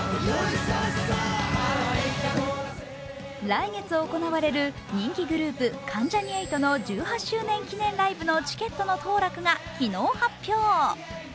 来月行われる、人気グループ関ジャニ∞の１８周年記念ライブのチケットの当落が昨日発表。